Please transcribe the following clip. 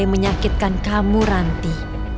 yang menyakitkan kamu ranti